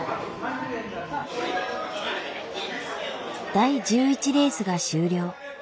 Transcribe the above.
第１１レースが終了。